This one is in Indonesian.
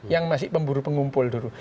yang masih pemburu pengumpul dulu